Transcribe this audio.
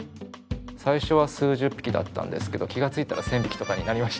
最初は数十匹だったんですけど気がついたら１０００匹とかになりまして。